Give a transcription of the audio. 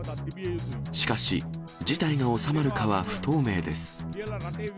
しかし事態が収まるかは不透明です。